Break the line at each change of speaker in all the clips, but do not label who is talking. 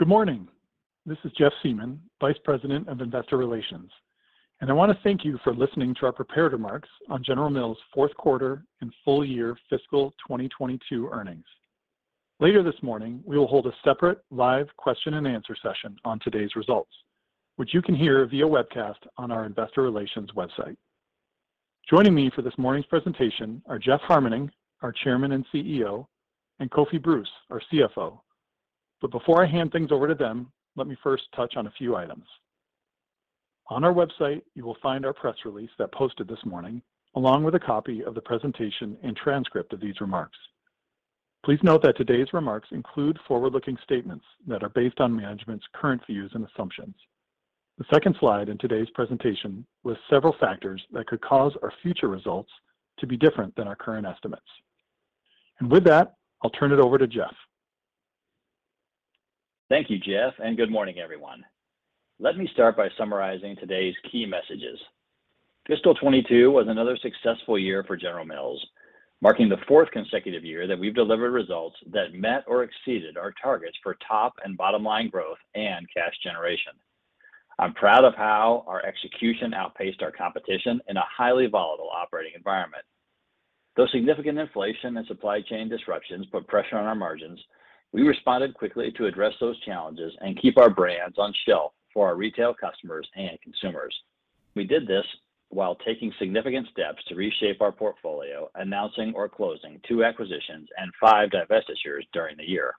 Good morning. This is Jeff Siemon, Vice President of Investor Relations, and I want to thank you for listening to our prepared remarks on General Mills' fourth quarter and full year fiscal 2022 earnings. Later this morning, we will hold a separate live question and answer session on today's results, which you can hear via webcast on our investor relations website. Joining me for this morning's presentation are Jeff Harmening, our Chairman and CEO, and Kofi Bruce, our CFO. Before I hand things over to them, let me first touch on a few items. On our website, you will find our press release that posted this morning, along with a copy of the presentation and transcript of these remarks. Please note that today's remarks include forward-looking statements that are based on management's current views and assumptions. The second slide in today's presentation lists several factors that could cause our future results to be different than our current estimates. With that, I'll turn it over to Jeff.
Thank you, Jeff, and good morning, everyone. Let me start by summarizing today's key messages. Fiscal 2022 was another successful year for General Mills, marking the fourth consecutive year that we've delivered results that met or exceeded our targets for top and bottom line growth and cash generation. I'm proud of how our execution outpaced our competition in a highly volatile operating environment. Though significant inflation and supply chain disruptions put pressure on our margins, we responded quickly to address those challenges and keep our brands on shelf for our retail customers and consumers. We did this while taking significant steps to reshape our portfolio, announcing or closing two acquisitions and five divestitures during the year.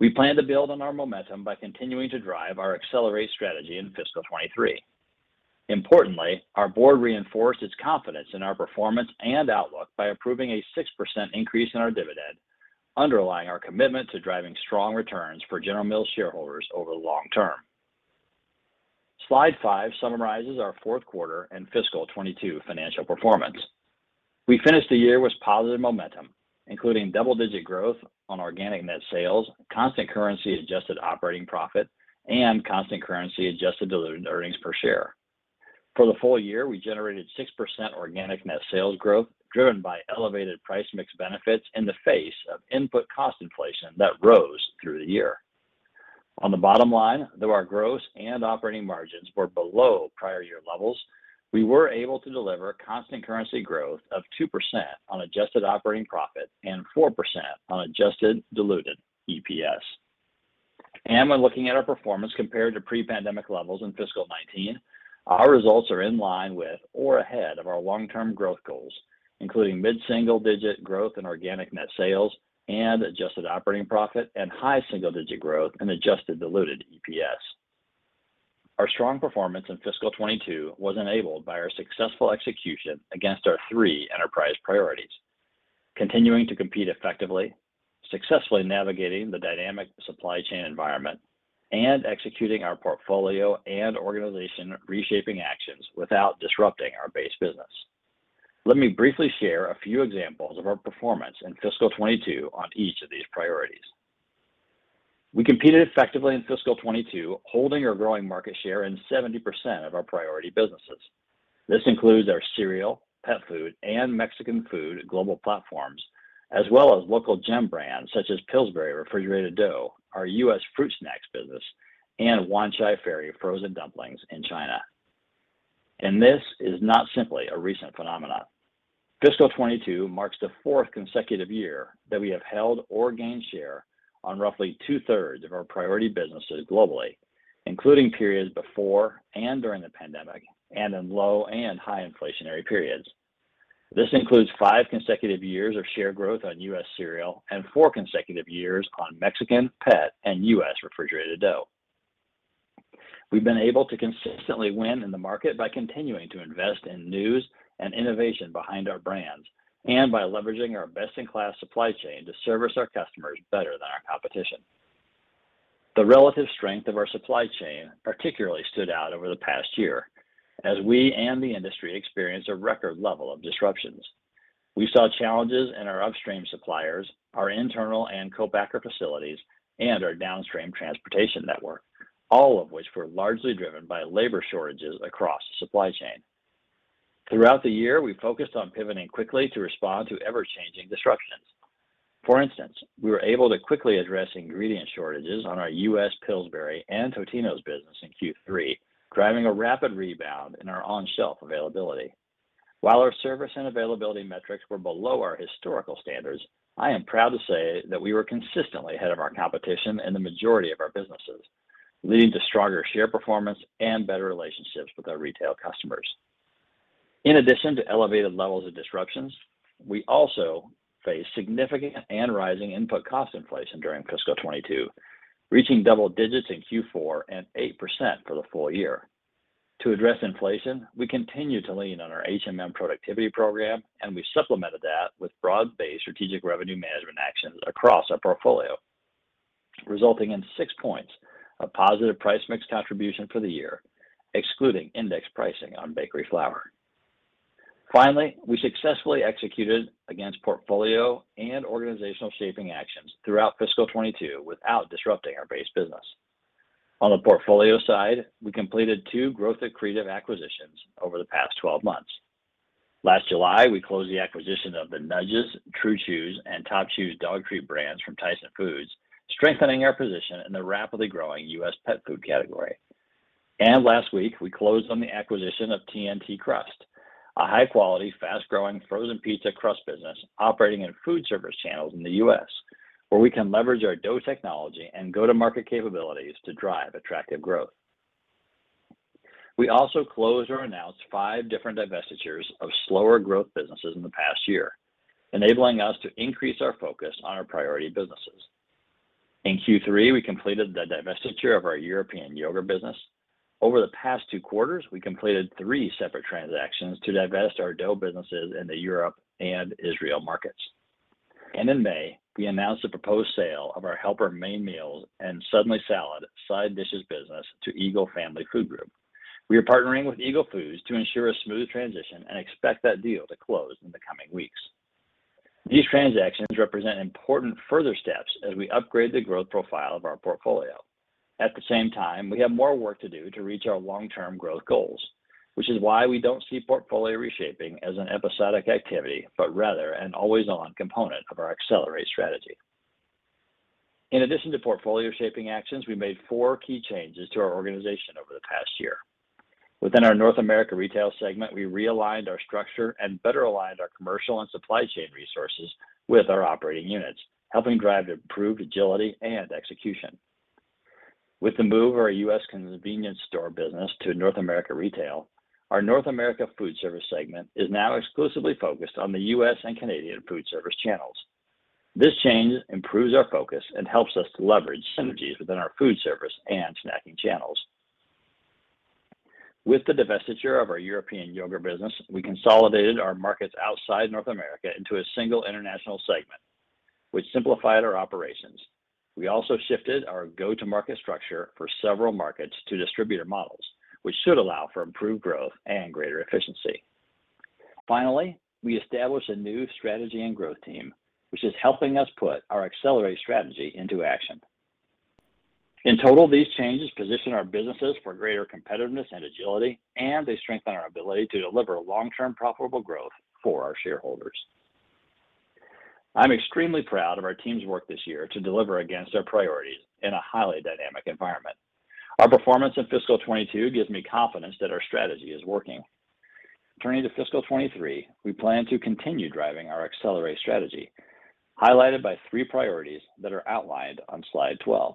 We plan to build on our momentum by continuing to drive our Accelerate strategy in fiscal 2023. Importantly, our board reinforced its confidence in our performance and outlook by approving a 6% increase in our dividend, underlying our commitment to driving strong returns for General Mills shareholders over the long term. Slide five summarizes our fourth quarter and fiscal 2022 financial performance. We finished the year with positive momentum, including double-digit growth on organic net sales, constant currency adjusted operating profit, and constant currency adjusted diluted earnings per share. For the full year, we generated 6% organic net sales growth, driven by elevated price mix benefits in the face of input cost inflation that rose through the year. On the bottom line, though our gross and operating margins were below prior year levels, we were able to deliver constant currency growth of 2% on adjusted operating profit and 4% on adjusted diluted EPS. When looking at our performance compared to pre-pandemic levels in fiscal 2019, our results are in line with or ahead of our long-term growth goals, including mid-single-digit growth in organic net sales and adjusted operating profit and high-single-digit growth in adjusted diluted EPS. Our strong performance in fiscal 2022 was enabled by our successful execution against our three enterprise priorities, continuing to compete effectively, successfully navigating the dynamic supply chain environment, and executing our portfolio and organization reshaping actions without disrupting our base business. Let me briefly share a few examples of our performance in fiscal 2022 on each of these priorities. We competed effectively in fiscal 2022, holding or growing market share in 70% of our priority businesses. This includes our cereal, pet food, and Mexican food global platforms, as well as local gem brands such as Pillsbury Refrigerated Dough, our U.S. Fruit Snacks business, and Wanchai Ferry Frozen Dumplings in China. This is not simply a recent phenomenon. Fiscal 2022 marks the fourth consecutive year that we have held or gained share on roughly 2/3 Of our priority businesses globally, including periods before and during the pandemic and in low and high inflationary periods. This includes five consecutive years of share growth on U.S. cereal and four consecutive years on Mexican, pet, and U.S. refrigerated dough. We've been able to consistently win in the market by continuing to invest in new and innovation behind our brands and by leveraging our best-in-class supply chain to service our customers better than our competition. The relative strength of our supply chain particularly stood out over the past year as we and the industry experienced a record level of disruptions. We saw challenges in our upstream suppliers, our internal and co-packer facilities, and our downstream transportation network, all of which were largely driven by labor shortages across the supply chain. Throughout the year, we focused on pivoting quickly to respond to ever-changing disruptions. For instance, we were able to quickly address ingredient shortages on our U.S. Pillsbury and Totino's business in Q3, driving a rapid rebound in our on-shelf availability. While our service and availability metrics were below our historical standards, I am proud to say that we were consistently ahead of our competition in the majority of our businesses, leading to stronger share performance and better relationships with our retail customers. In addition to elevated levels of disruptions, we also faced significant and rising input cost inflation during fiscal 2022, reaching double digits in Q4 and 8% for the full year. To address inflation, we continue to lean on our HMM productivity program, and we supplemented that with broad-based strategic revenue management actions across our portfolio, resulting in 6 points of positive price mix contribution for the year, excluding index pricing on bakery flour. Finally, we successfully executed against portfolio and organizational shaping actions throughout fiscal 2022 without disrupting our base business. On the portfolio side, we completed two growth accretive acquisitions over the past 12 months. Last July, we closed the acquisition of the Nudges, True Chews, and Top Chews dog treat brands from Tyson Foods, strengthening our position in the rapidly growing U.S. pet food category. Last week, we closed on the acquisition of TNT Crust, a high-quality, fast-growing frozen pizza crust business operating in foodservice channels in the U.S., where we can leverage our dough technology and go-to-market capabilities to drive attractive growth. We also closed or announced five different divestitures of slower growth businesses in the past year, enabling us to increase our focus on our priority businesses. In Q3, we completed the divestiture of our European yogurt business. Over the past two quarters, we completed three separate transactions to divest our dough businesses in the Europe and Israel markets. In May, we announced the proposed sale of our Helper main meals and Suddenly Salad side dishes business to Eagle Family Foods Group. We are partnering with Eagle Foods to ensure a smooth transition and expect that deal to close in the coming weeks. These transactions represent important further steps as we upgrade the growth profile of our portfolio. At the same time, we have more work to do to reach our long-term growth goals, which is why we don't see portfolio reshaping as an episodic activity, but rather an always-on component of our Accelerate strategy. In addition to portfolio shaping actions, we made four key changes to our organization over the past year. Within our North America Retail segment, we realigned our structure and better aligned our commercial and supply chain resources with our operating units, helping drive improved agility and execution. With the move of our U.S. convenience store business to North America Retail, our North America Foodservice segment is now exclusively focused on the U.S. and Canadian foodservice channels. This change improves our focus and helps us to leverage synergies within our foodservice and snacking channels. With the divestiture of our European yogurt business, we consolidated our markets outside North America into a single international segment, which simplified our operations. We also shifted our go-to-market structure for several markets to distributor models, which should allow for improved growth and greater efficiency. Finally, we established a new strategy and growth team, which is helping us put our accelerate strategy into action. In total, these changes position our businesses for greater competitiveness and agility, and they strengthen our ability to deliver long-term profitable growth for our shareholders. I'm extremely proud of our team's work this year to deliver against our priorities in a highly dynamic environment. Our performance in fiscal 2022 gives me confidence that our strategy is working. Turning to fiscal 2023, we plan to continue driving our accelerate strategy, highlighted by three priorities that are outlined on slide 12.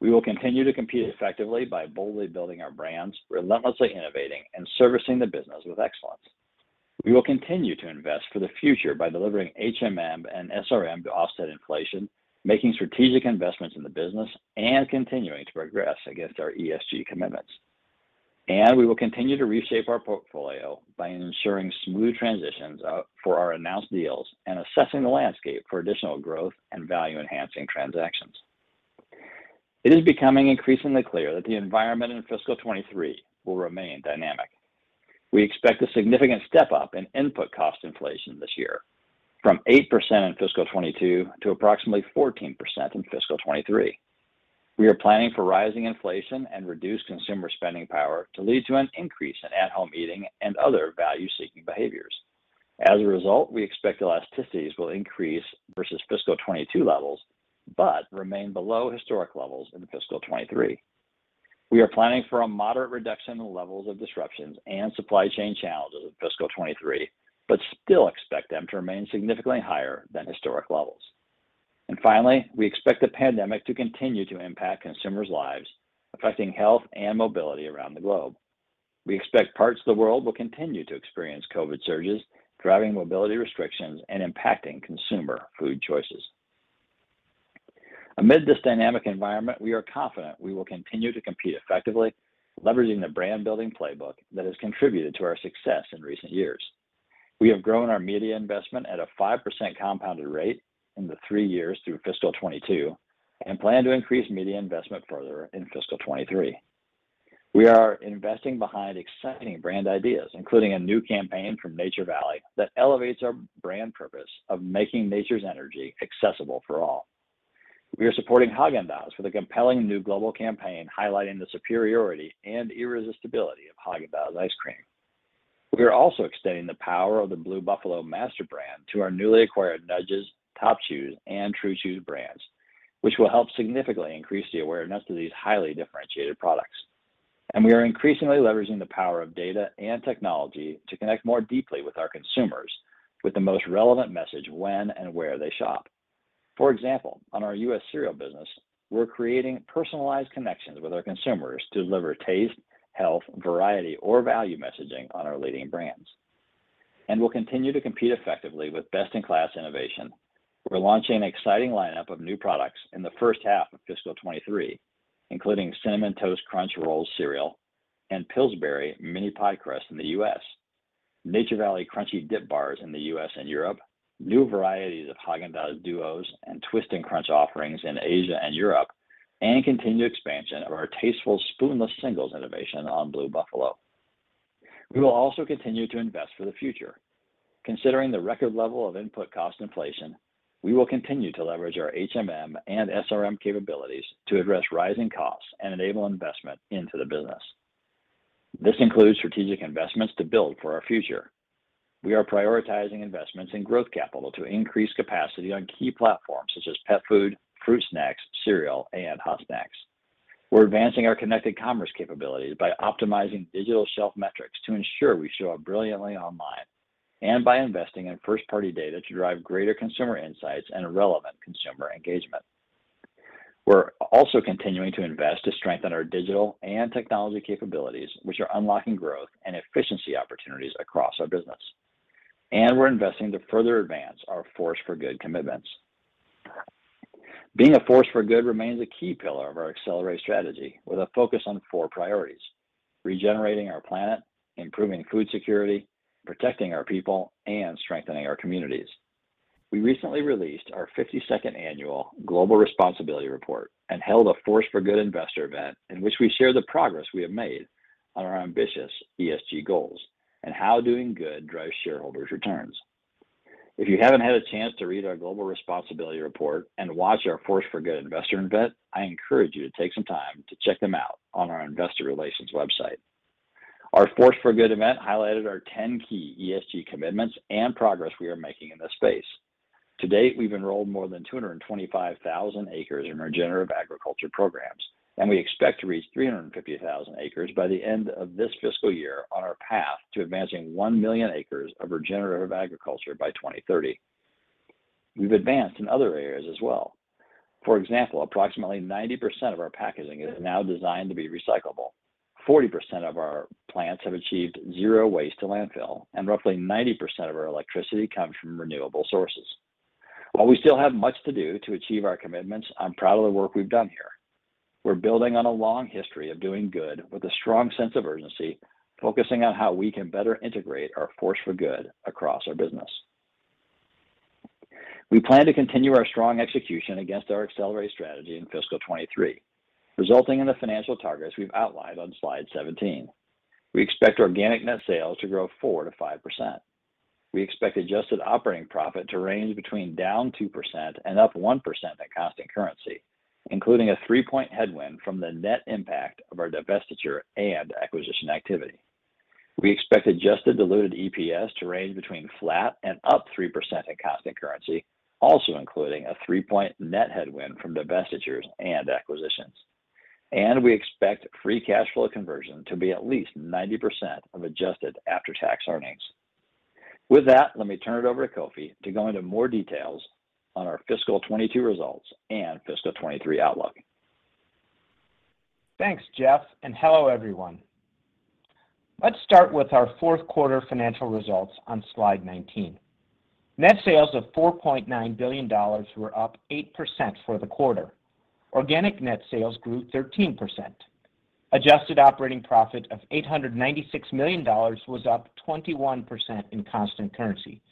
We will continue to compete effectively by boldly building our brands, relentlessly innovating, and servicing the business with excellence. We will continue to invest for the future by delivering HMM and SRM to offset inflation, making strategic investments in the business, and continuing to progress against our ESG commitments. We will continue to reshape our portfolio by ensuring smooth transitions for our announced deals and assessing the landscape for additional growth and value-enhancing transactions. It is becoming increasingly clear that the environment in fiscal 2023 will remain dynamic. We expect a significant step-up in input cost inflation this year from 8% in fiscal 2022 to approximately 14% in fiscal 2023. We are planning for rising inflation and reduced consumer spending power to lead to an increase in at-home eating and other value-seeking behaviors. As a result, we expect elasticities will increase versus fiscal 2022 levels, but remain below historic levels into fiscal 2023. We are planning for a moderate reduction in the levels of disruptions and supply chain challenges in fiscal 2023, but still expect them to remain significantly higher than historic levels. Finally, we expect the pandemic to continue to impact consumers' lives, affecting health and mobility around the globe. We expect parts of the world will continue to experience COVID surges, driving mobility restrictions and impacting consumer food choices. Amid this dynamic environment, we are confident we will continue to compete effectively, leveraging the brand-building playbook that has contributed to our success in recent years. We have grown our media investment at a 5% compounded rate in the 3 years through fiscal 2022 and plan to increase media investment further in fiscal 2023. We are investing behind exciting brand ideas, including a new campaign from Nature Valley that elevates our brand purpose of making nature's energy accessible for all. We are supporting Häagen-Dazs with a compelling new global campaign highlighting the superiority and irresistibility of Häagen-Dazs ice cream. We are also extending the power of the Blue Buffalo master brand to our newly acquired Nudges, Top Chews, and True Chews brands, which will help significantly increase the awareness of these highly differentiated products. We are increasingly leveraging the power of data and technology to connect more deeply with our consumers with the most relevant message when and where they shop. For example, on our U.S. cereal business, we're creating personalized connections with our consumers to deliver taste, health, variety, or value messaging on our leading brands. We'll continue to compete effectively with best-in-class innovation. We're launching an exciting lineup of new products in the first half of fiscal 2023, including Cinnamon Toast Crunch Rolls cereal and Pillsbury Mini Pie Crust in the U.S., Nature Valley Crunchy Dipped Granola Squares in the U.S. and Europe, new varieties of Häagen-Dazs Duos and Twist & Crunch offerings in Asia and Europe, and continued expansion of our Tastefuls Spoonless Singles innovation on Blue Buffalo. We will also continue to invest for the future. Considering the record level of input cost inflation, we will continue to leverage our HMM and SRM capabilities to address rising costs and enable investment into the business. This includes strategic investments to build for our future. We are prioritizing investments in growth capital to increase capacity on key platforms such as pet food, fruit snacks, cereal, and hot snacks. We're advancing our connected commerce capabilities by optimizing digital shelf metrics to ensure we show up brilliantly online and by investing in first-party data to drive greater consumer insights and relevant consumer engagement. We're also continuing to invest to strengthen our digital and technology capabilities, which are unlocking growth and efficiency opportunities across our business, and we're investing to further advance our Force for Good commitments. Being a Force for Good remains a key pillar of our Accelerate strategy with a focus on four priorities, regenerating our planet, improving food security, protecting our people, and strengthening our communities. We recently released our fifty-second annual Global Responsibility Report and held a Force for Good investor event in which we share the progress we have made on our ambitious ESG goals and how doing good drives shareholders returns. If you haven't had a chance to read our Global Responsibility Report and watch our Force for Good investor event, I encourage you to take some time to check them out on our investor relations website. Our Force for Good event highlighted our ten key ESG commitments and progress we are making in this space. To date, we've enrolled more than 225,000 acres in regenerative agriculture programs, and we expect to reach 350,000 acres by the end of this fiscal year on our path to advancing 1 million acres of regenerative agriculture by 2030. We've advanced in other areas as well. For example, approximately 90% of our packaging is now designed to be recyclable. 40% of our plants have achieved zero waste to landfill, and roughly 90% of our electricity comes from renewable sources. While we still have much to do to achieve our commitments, I'm proud of the work we've done here. We're building on a long history of doing good with a strong sense of urgency, focusing on how we can better integrate our Force for Good across our business. We plan to continue our strong execution against our Accelerate strategy in fiscal 2023, resulting in the financial targets we've outlined on slide 17. We expect organic net sales to grow 4%-5%. We expect adjusted operating profit to range between down 2% and up 1% at constant currency, including a 3-point headwind from the net impact of our divestiture and acquisition activity. We expect adjusted diluted EPS to range between flat and up 3% at constant currency, also including a 3-point net headwind from divestitures and acquisitions. We expect free cash flow conversion to be at least 90% of adjusted after-tax earnings. With that, let me turn it over to Kofi to go into more details on our fiscal 2022 results and fiscal 2023 outlook.
Thanks, Jeff, and hello, everyone. Let's start with our fourth quarter financial results on slide 19. Net sales of $4.9 billion were up 8% for the quarter. Organic net sales grew 13%. Adjusted operating profit of $896 million was up 21% in constant currency,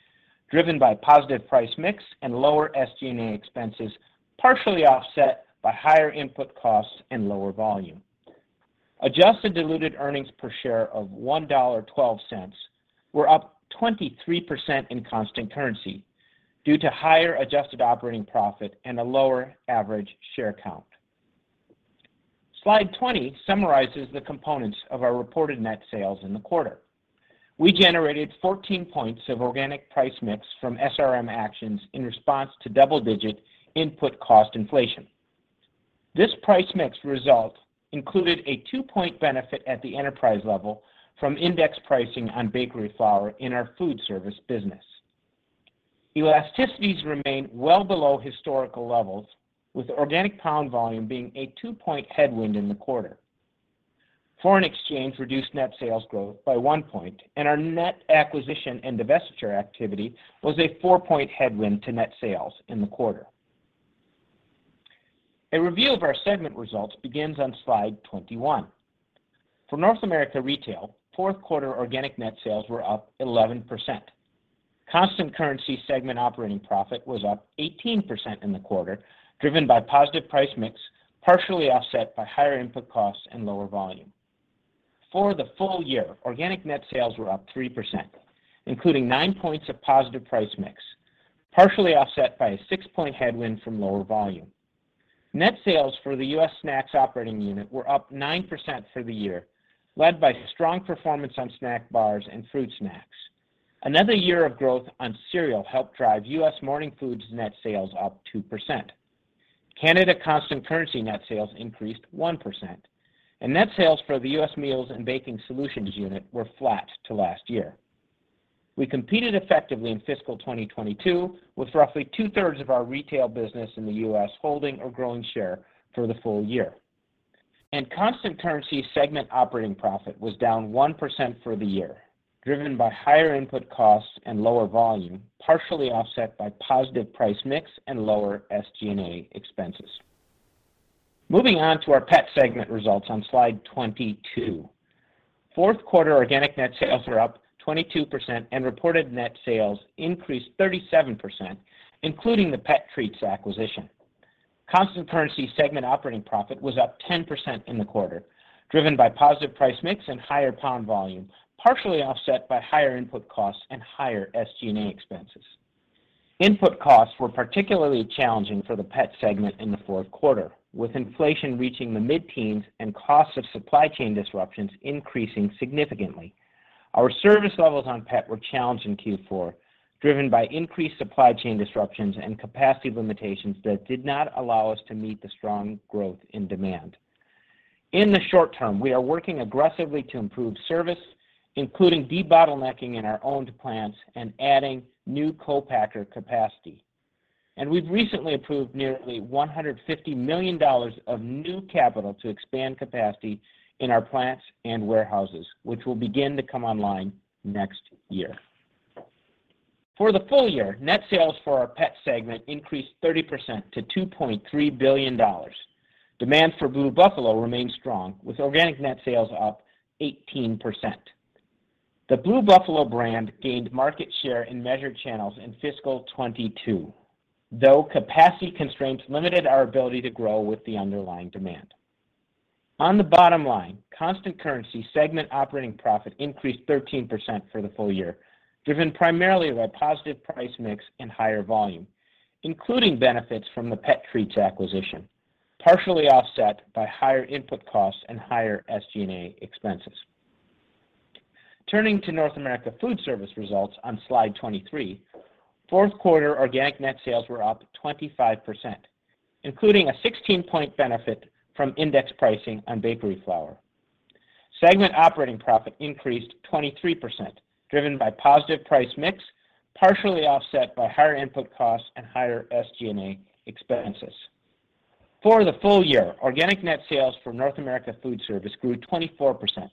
driven by positive price mix and lower SG&A expenses, partially offset by higher input costs and lower volume. Adjusted diluted earnings per share of $1.12 were up 23% in constant currency due to higher adjusted operating profit and a lower average share count. Slide 20 summarizes the components of our reported net sales in the quarter. We generated 14 points of organic price mix from SRM actions in response to double-digit input cost inflation. This price mix result included a 2-point benefit at the enterprise level from index pricing on bakery flour in our food service business. Elasticities remain well below historical levels, with organic pound volume being a 2-point headwind in the quarter. Foreign exchange reduced net sales growth by 1 point, and our net acquisition and divestiture activity was a 4-point headwind to net sales in the quarter. A review of our segment results begins on slide 21. For North America Retail, fourth quarter organic net sales were up 11%. Constant currency segment operating profit was up 18% in the quarter, driven by positive price mix, partially offset by higher input costs and lower volume. For the full year, organic net sales were up 3%, including 9 points of positive price mix, partially offset by a 6-point headwind from lower volume. Net sales for the U.S. Snacks operating unit were up 9% for the year, led by strong performance on snack bars and fruit snacks. Another year of growth on cereal helped drive U.S. Morning Foods net sales up 2%. Canada constant currency net sales increased 1%, and net sales for the U.S. Meals & Baking Solutions unit were flat to last year. We competed effectively in fiscal 2022, with roughly 2/3 of our retail business in the U.S. holding or growing share for the full year. Constant currency segment operating profit was down 1% for the year, driven by higher input costs and lower volume, partially offset by positive price mix and lower SG&A expenses. Moving on to our Pet segment results on slide 22. Fourth quarter organic net sales were up 22% and reported net sales increased 37%, including the Pet Treats acquisition. Constant currency segment operating profit was up 10% in the quarter, driven by positive price mix and higher pound volume, partially offset by higher input costs and higher SG&A expenses. Input costs were particularly challenging for the pet segment in the fourth quarter, with inflation reaching the mid-teens and costs of supply chain disruptions increasing significantly. Our service levels on pet were challenged in Q4, driven by increased supply chain disruptions and capacity limitations that did not allow us to meet the strong growth in demand. In the short term, we are working aggressively to improve service, including de-bottlenecking in our owned plants and adding new co-packer capacity. We've recently approved nearly $150 million of new capital to expand capacity in our plants and warehouses, which will begin to come online next year. For the full year, net sales for our pet segment increased 30% to $2.3 billion. Demand for Blue Buffalo remained strong, with organic net sales up 18%. The Blue Buffalo brand gained market share in measured channels in fiscal 2022, though capacity constraints limited our ability to grow with the underlying demand. On the bottom line, constant currency segment operating profit increased 13% for the full year, driven primarily by positive price mix and higher volume, including benefits from the pet treats acquisition, partially offset by higher input costs and higher SG&A expenses. Turning to North America Foodservice results on slide 23, fourth quarter organic net sales were up 25%, including a 16-point benefit from index pricing on bakery flour. Segment operating profit increased 23%, driven by positive price mix, partially offset by higher input costs and higher SG&A expenses. For the full year, organic net sales for North America Foodservice grew 24%,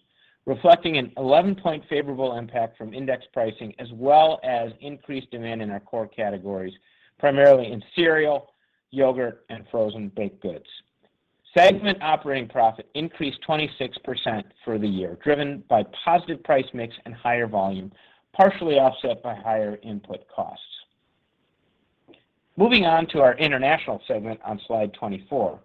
reflecting an 11-point favorable impact from index pricing as well as increased demand in our core categories, primarily in cereal, yogurt, and frozen baked goods. Segment operating profit increased 26% for the year, driven by positive price mix and higher volume, partially offset by higher input costs. Moving on to our international segment on slide 24,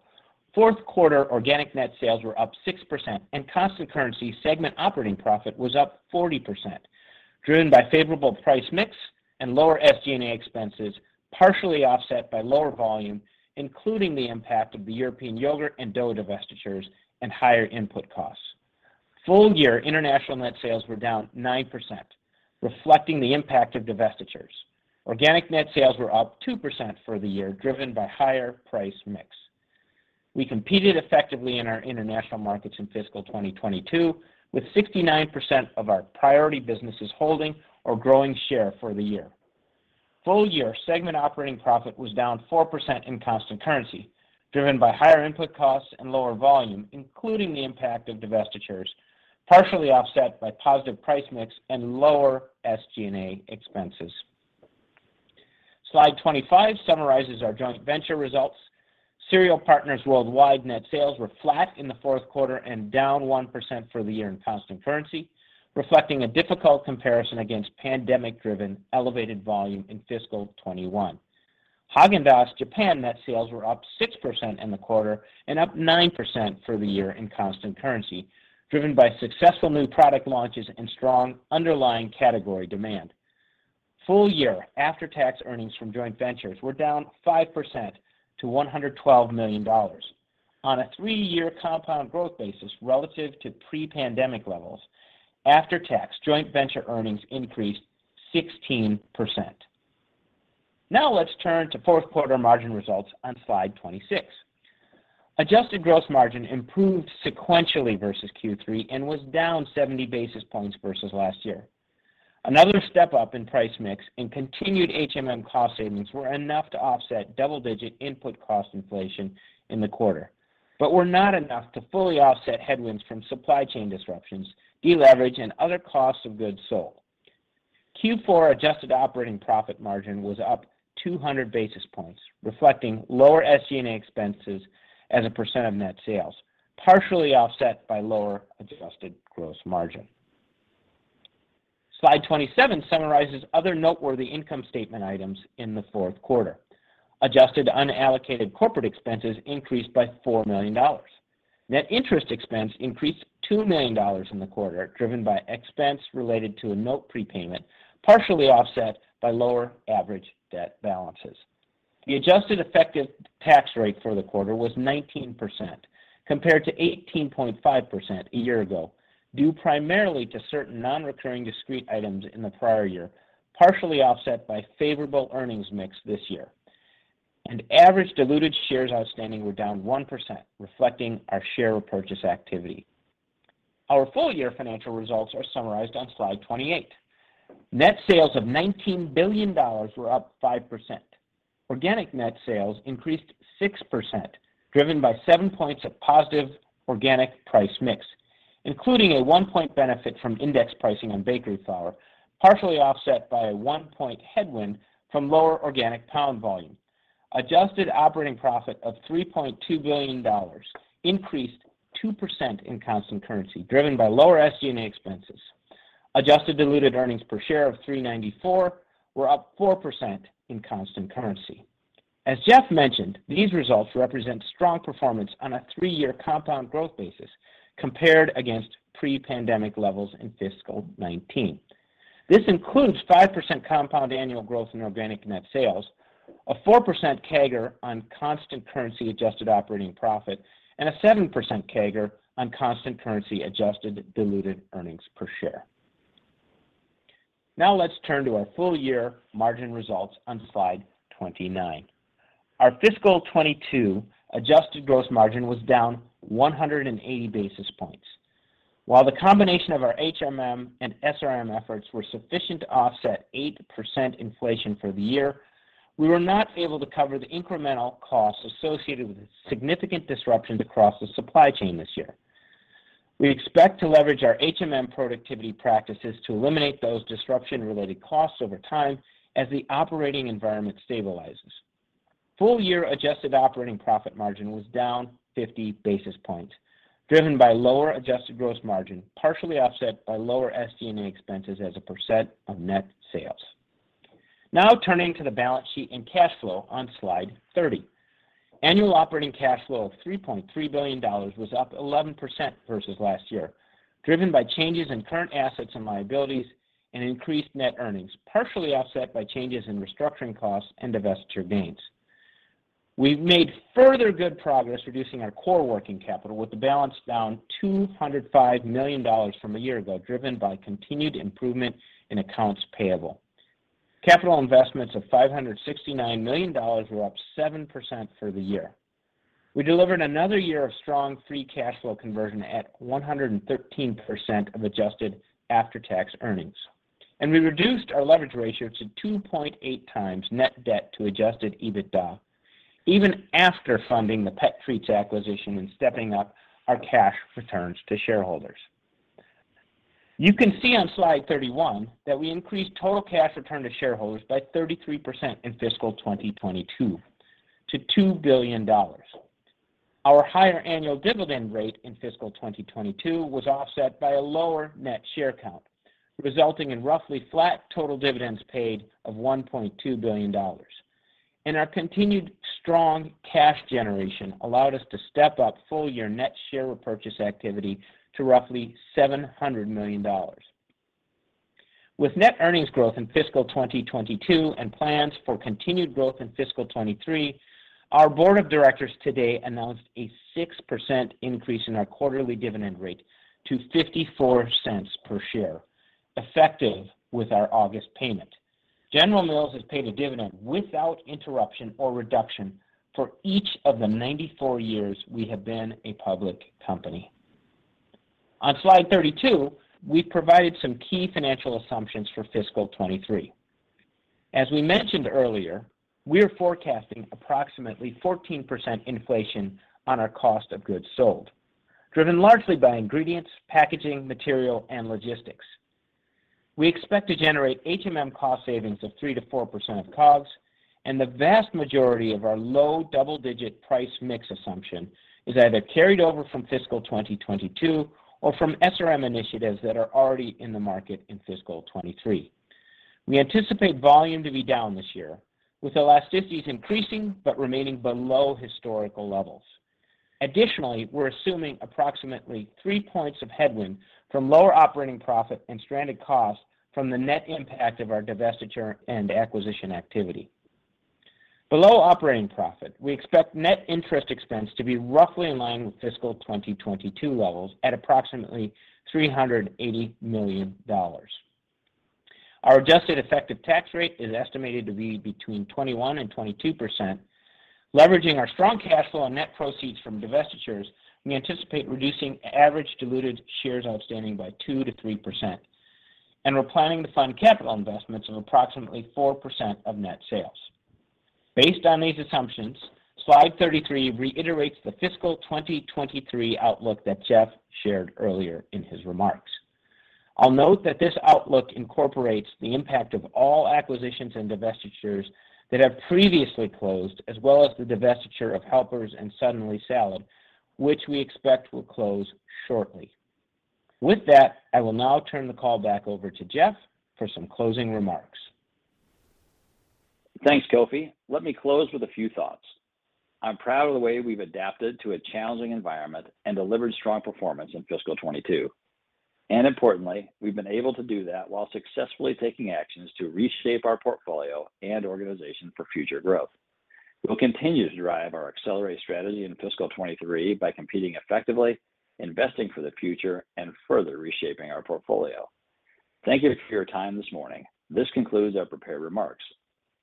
fourth quarter organic net sales were up 6% and constant currency segment operating profit was up 40%, driven by favorable price mix and lower SG&A expenses, partially offset by lower volume, including the impact of the European yogurt and dough divestitures and higher input costs. Full year international net sales were down 9%, reflecting the impact of divestitures. Organic net sales were up 2% for the year, driven by higher price mix. We competed effectively in our international markets in fiscal 2022, with 69% of our priority businesses holding or growing share for the year. Full year segment operating profit was down 4% in constant currency, driven by higher input costs and lower volume, including the impact of divestitures, partially offset by positive price mix and lower SG&A expenses. Slide 25 summarizes our joint venture results. Cereal Partners Worldwide net sales were flat in the fourth quarter and down 1% for the year in constant currency, reflecting a difficult comparison against pandemic-driven elevated volume in fiscal 2021. Häagen-Dazs Japan net sales were up 6% in the quarter and up 9% for the year in constant currency, driven by successful new product launches and strong underlying category demand. Full year after-tax earnings from joint ventures were down 5% to $112 million. On a three-year compound growth basis relative to pre-pandemic levels, after-tax joint venture earnings increased 16%. Now let's turn to fourth quarter margin results on slide 26. Adjusted gross margin improved sequentially versus Q3 and was down 70 basis points versus last year. Another step up in price mix and continued HMM cost savings were enough to offset double-digit input cost inflation in the quarter, but were not enough to fully offset headwinds from supply chain disruptions, deleverage, and other costs of goods sold. Q4 adjusted operating profit margin was up 200 basis points, reflecting lower SG&A expenses as a % of net sales, partially offset by lower adjusted gross margin. Slide 27 summarizes other noteworthy income statement items in the fourth quarter. Adjusted unallocated corporate expenses increased by $4 million. Net interest expense increased $2 million in the quarter, driven by expense related to a note prepayment, partially offset by lower average debt balances. The adjusted effective tax rate for the quarter was 19%, compared to 18.5% a year ago, due primarily to certain non-recurring discrete items in the prior year, partially offset by favorable earnings mix this year. Average diluted shares outstanding were down 1%, reflecting our share repurchase activity. Our full year financial results are summarized on slide 28. Net sales of $19 billion were up 5%. Organic net sales increased 6%, driven by 7 points of positive organic price mix, including a 1-point benefit from index pricing on bakery flour, partially offset by a 1-point headwind from lower organic pound volume. Adjusted operating profit of $3.2 billion increased 2% in constant currency, driven by lower SG&A expenses. Adjusted diluted earnings per share of $3.94 were up 4% in constant currency. As Jeff mentioned, these results represent strong performance on a three-year compound growth basis compared against pre-pandemic levels in fiscal 2019. This includes 5% compound annual growth in organic net sales, a 4% CAGR on constant currency adjusted operating profit, and a 7% CAGR on constant currency adjusted diluted earnings per share. Now let's turn to our full year margin results on slide 29. Our fiscal 2022 adjusted gross margin was down 180 basis points. While the combination of our HMM and SRM efforts were sufficient to offset 8% inflation for the year, we were not able to cover the incremental costs associated with the significant disruptions across the supply chain this year. We expect to leverage our HMM productivity practices to eliminate those disruption-related costs over time as the operating environment stabilizes. Full year adjusted operating profit margin was down 50 basis points, driven by lower adjusted gross margin, partially offset by lower SG&A expenses as a percent of net sales. Now turning to the balance sheet and cash flow on slide 30. Annual operating cash flow of $3.3 billion was up 11% versus last year, driven by changes in current assets and liabilities and increased net earnings, partially offset by changes in restructuring costs and divestiture gains. We've made further good progress reducing our core working capital with the balance down $205 million from a year ago, driven by continued improvement in accounts payable. Capital investments of $569 million were up 7% for the year. We delivered another year of strong free cash flow conversion at 113% of adjusted after-tax earnings. We reduced our leverage ratio to 2.8x net debt to adjusted EBITDA, even after funding the Pet Treats acquisition and stepping up our cash returns to shareholders. You can see on slide 31 that we increased total cash return to shareholders by 33% in fiscal 2022 to $2 billion. Our higher annual dividend rate in fiscal 2022 was offset by a lower net share count, resulting in roughly flat total dividends paid of $1.2 billion. Our continued strong cash generation allowed us to step up full year net share repurchase activity to roughly $700 million. With net earnings growth in fiscal 2022 and plans for continued growth in fiscal 2023, our board of directors today announced a 6% increase in our quarterly dividend rate to $0.54 per share, effective with our August payment. General Mills has paid a dividend without interruption or reduction for each of the 94 years we have been a public company. On slide 32, we've provided some key financial assumptions for fiscal 2023. As we mentioned earlier, we're forecasting approximately 14% inflation on our cost of goods sold, driven largely by ingredients, packaging, material, and logistics. We expect to generate HMM cost savings of 3%-4% of COGS, and the vast majority of our low double-digit price mix assumption is either carried over from fiscal 2022 or from SRM initiatives that are already in the market in fiscal 2023. We anticipate volume to be down this year, with elasticities increasing but remaining below historical levels. Additionally, we're assuming approximately 3 points of headwind from lower operating profit and stranded costs from the net impact of our divestiture and acquisition activity. Below operating profit, we expect net interest expense to be roughly in line with fiscal 2022 levels at approximately $380 million. Our adjusted effective tax rate is estimated to be between 21% and 22%. Leveraging our strong cash flow on net proceeds from divestitures, we anticipate reducing average diluted shares outstanding by 2%-3%. We're planning to fund capital investments of approximately 4% of net sales. Based on these assumptions, slide 33 reiterates the fiscal 2023 outlook that Jeff shared earlier in his remarks. I'll note that this outlook incorporates the impact of all acquisitions and divestitures that have previously closed, as well as the divestiture of Helper and Suddenly Salad, which we expect will close shortly. With that, I will now turn the call back over to Jeff for some closing remarks.
Thanks, Kofi. Let me close with a few thoughts. I'm proud of the way we've adapted to a challenging environment and delivered strong performance in fiscal 2022. Importantly, we've been able to do that while successfully taking actions to reshape our portfolio and organization for future growth. We'll continue to drive our accelerated strategy in fiscal 2023 by competing effectively, investing for the future, and further reshaping our portfolio. Thank you for your time this morning. This concludes our prepared remarks.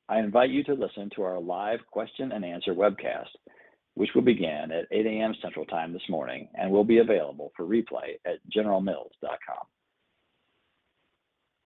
I invite you to listen to our live question and answer webcast, which will begin at 8:00 A.M. Central Time this morning and will be available for replay at generalmills.com.